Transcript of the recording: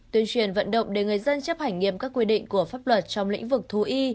tuyên truyền vận động để người dân chấp hành nghiêm các quy định của pháp luật trong lĩnh vực thú y